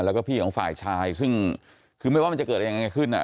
แล้วก็พี่ของฝ่ายชายซึ่งคือไม่ว่ามันจะเกิดอะไรยังไงขึ้นอ่ะ